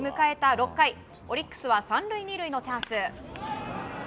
６回オリックスは３塁２塁のチャンス。